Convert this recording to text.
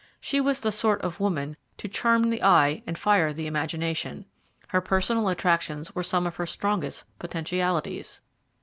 She was the sort of woman to charm the eye and fire the imagination. Her personal attractions were some of her strongest potentialities.